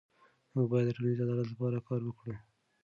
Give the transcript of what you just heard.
موږ باید د ټولنیز عدالت لپاره کار وکړو.